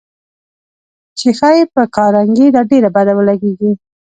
چې ښايي پر کارنګي دا ډېره بده ولګېږي.